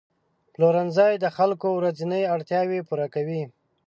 پلورنځي د خلکو ورځني اړتیاوې پوره کوي.